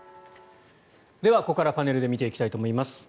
では、ここからパネルで見ていきたいと思います。